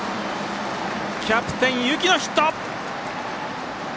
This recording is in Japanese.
キャプテン、幸のヒット！